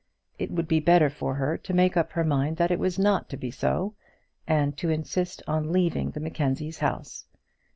It would be better for her to make up her mind that it was not to be so, and to insist on leaving the Mackenzies' house.